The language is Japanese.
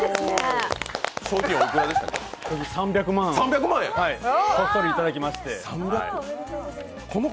賞金は３００万、こっそりいただきまして。